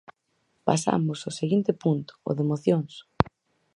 Pasamos ao seguinte punto, ao de mocións.